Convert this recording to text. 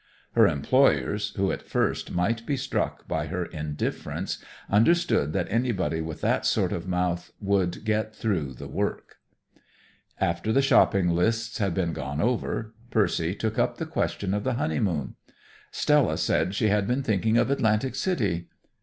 Her employers, who at first might be struck by her indifference, understood that anybody with that sort of mouth would get through the work. After the shopping lists had been gone over, Percy took up the question of the honeymoon. Stella said she had been thinking of Atlantic City.